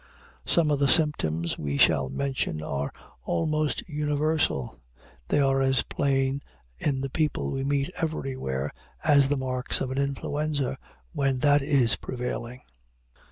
Some of the symptoms we shall mention are almost universal; they are as plain in the people we meet everywhere as the marks of an influenza, when that is prevailing.